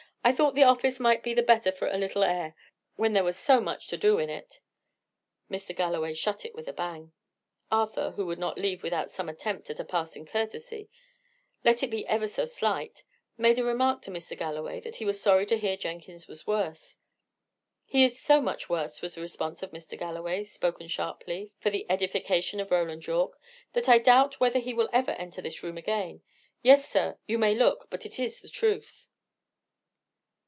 "I thought the office might be the better for a little air, when there was so much to do in it." Mr. Galloway shut it with a bang. Arthur, who would not leave without some attempt at a passing courtesy, let it be ever so slight, made a remark to Mr. Galloway, that he was sorry to hear Jenkins was worse. "He is so much worse," was the response of Mr. Galloway, spoken sharply, for the edification of Roland Yorke, "that I doubt whether he will ever enter this room again. Yes, sir, you may look; but it is the truth!"